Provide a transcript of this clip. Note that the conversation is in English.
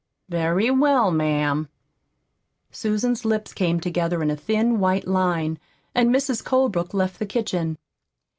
"Very well, ma'am." Susan's lips came together in a thin, white line, and Mrs. Colebrook left the kitchen.